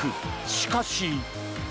しかし。